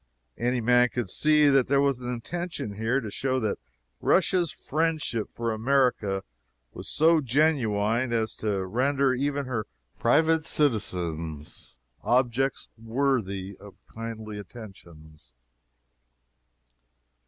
Any man could see that there was an intention here to show that Russia's friendship for America was so genuine as to render even her private citizens objects worthy of kindly attentions.